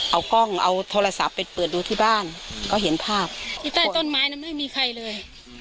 เอากล้องเอาโทรศัพท์ไปเปิดดูที่บ้านก็เห็นภาพที่ใต้ต้นไม้นั้นไม่มีใครเลย